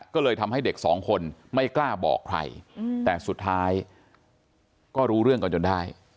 ก็เลยทำให้เด็กสองคนไม่กล้าบอกใครแต่สุดท้ายก็รู้เรื่องกันจนได้